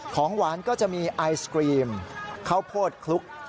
ของหวานก็จะมีไอศกรีมข้าวโพดคลุก